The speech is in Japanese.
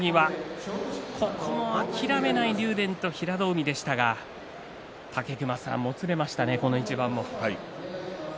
諦めない竜電と平戸海でしたがもつれましたね、この一番も。